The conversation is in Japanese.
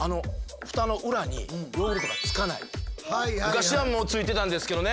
昔はもうついてたんですけどね。